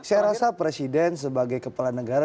saya rasa presiden sebagai kepala negara